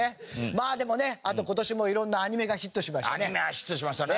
まあでもねあと今年もいろんなアニメがヒットしましたね。